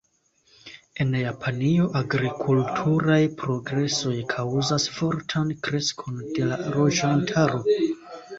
En Japanio, agrikulturaj progresoj kaŭzas fortan kreskon de la loĝantaro.